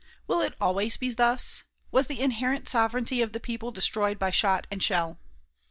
Will it always be thus? Was the inherent sovereignty of the people destroyed by shot and shell?